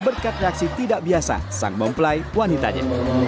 berkat reaksi tidak biasa sang mempelai wanitanya